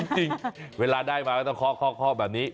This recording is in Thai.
จริงเวลาได้มาก็ต้องเคาะแบบนี้